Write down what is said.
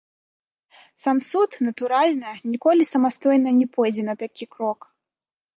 Сам суд, натуральна, ніколі самастойна не пойдзе на такі крок.